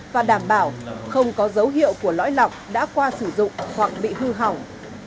và đảm bảo không có dấu hiệu của lõi lọc đã qua sử dụng hoặc bị hư hỏng